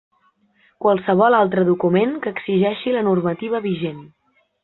Qualsevol altre document que exigeixi la normativa vigent.